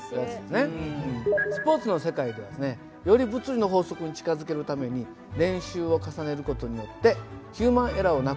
スポーツの世界ではですねより物理の法則に近づけるために練習を重ねる事によってヒューマンエラーをなくす。